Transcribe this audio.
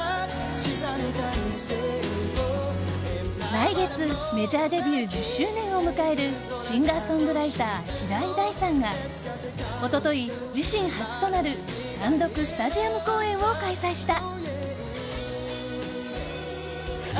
来月、メジャーデビュー１０周年を迎えるシンガーソングライター平井大さんが一昨日、自身初となる単独スタジアム公演を開催した。